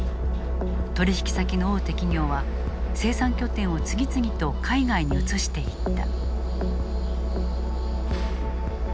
取引先の大手企業は生産拠点を次々と海外に移していった。